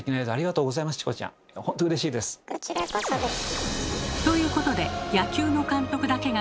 こちらこそです。